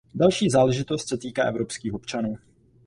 Další záležitost se týká evropských občanů.